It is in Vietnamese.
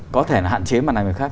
có thể là hạn chế màn hình khác